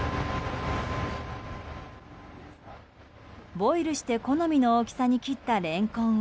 ボイルして好みの大きさに切ったレンコンを